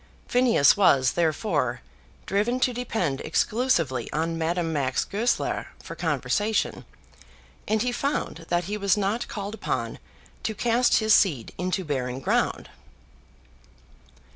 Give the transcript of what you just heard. Phineas was, therefore, driven to depend exclusively on Madame Max Goesler for conversation, and he found that he was not called upon to cast his seed into barren ground.